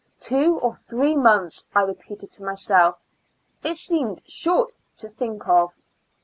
" Two or three months," I repeated to myself ; it seemed short to think of.